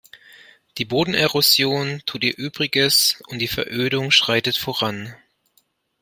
Die Bodenerosion tut ihr Übriges, und die Verödung schreitet voran.